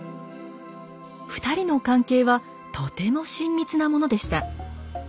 ２人の関係はとても親密なものでした。